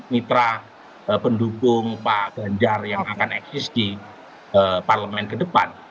mitra pendukung pak ganjar yang akan eksis di parlemen ke depan